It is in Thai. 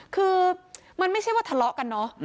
คือมันไม่ใช่ว่าทะเลาะกันเนอะ